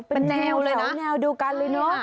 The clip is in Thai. เป็นแนวแนวดูกันเลยเนอะ